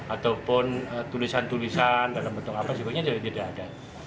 ataupun tulisan tulisan dalam bentuk apa sebagainya tidak ada